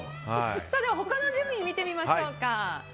他の順位見てみましょうか。